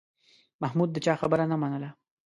محمود د چا خبره نه منله.